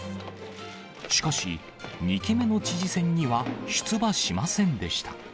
しかし、２期目の知事選には出馬しませんでした。